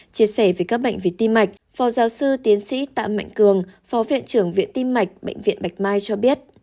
chia sẻ về các bệnh về tim mạch phó giáo sư tiến sĩ tạ mạnh cường phó viện trưởng viện tim mạch bệnh viện bạch mai cho biết